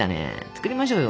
作りましょうよ。